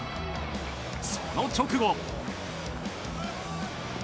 その直後。